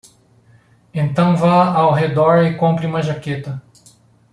Então vá ao redor e compre uma jaqueta